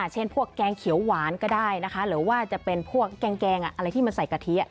เช่นพวกแกงเขียวหวานก็ได้นะคะหรือว่าจะเป็นพวกแกงอะไรที่มันใส่กะทิ